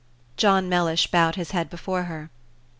John Mellish bowed his head before her.